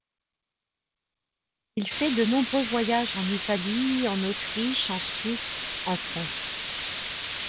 Il fait de nombreux voyages en Italie, en Autriche, en Suisse, en France.